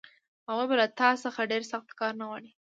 هغوی به له تا څخه ډېر سخت کار نه غواړي